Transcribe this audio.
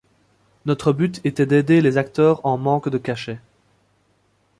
Notre but était d’aider les acteurs en manque de cachets.